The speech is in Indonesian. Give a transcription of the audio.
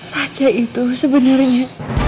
raja itu sebenernya